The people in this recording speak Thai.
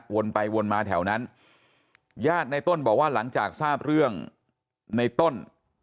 วนไปวนมาแถวนั้นญาติในต้นบอกว่าหลังจากทราบเรื่องในต้น